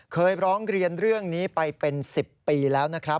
เคยร้องเรียนเรื่องนี้ไปเป็น๑๐ปีแล้วนะครับ